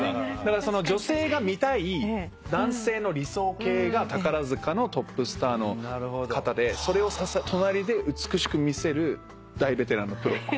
女性が見たい男性の理想型が宝塚のトップスターの方でそれを隣で美しく見せる大ベテランのプロ。